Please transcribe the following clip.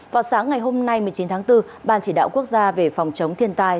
vào sáng ngày hôm nay một mươi chín tháng bốn ban chỉ đạo quốc gia về phòng chống thiên tai